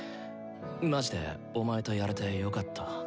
マジでお前とやれてよかった。